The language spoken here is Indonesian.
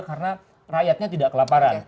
karena rakyatnya tidak kelaparan